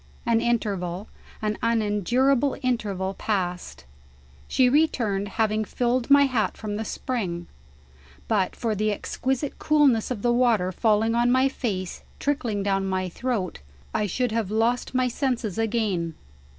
An interval, an unendurable interval, passed. She returned, having filled my hat from the spring. But for the exquisite coolness of the water falling on my face, trickling down my throat, I should have lost my senses again.